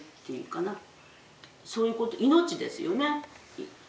そういうこと命ですよね。